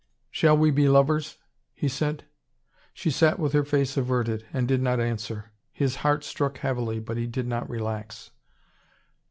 "Shall we be lovers?" he said. She sat with her face averted, and did not answer. His heart struck heavily, but he did not relax.